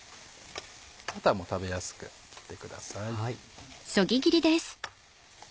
あとは食べやすく切ってください。